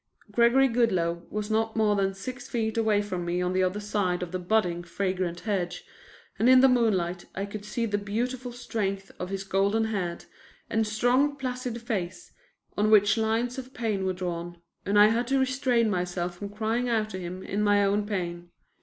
Gregory Goodloe was not more than six feet away from me on the other side of the budding, fragrant hedge, and in the moonlight I could see the beautiful strength of his golden head and strong placid face, on which lines of pain were drawn, and I had to restrain myself from crying out to him in my own pain.